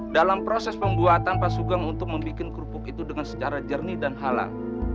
dalam proses pembuatan pak sugeng untuk membuat kerupuk itu dengan secara jernih dan halal